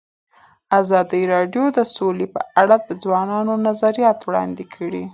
ازادي راډیو د سوله په اړه د ځوانانو نظریات وړاندې کړي.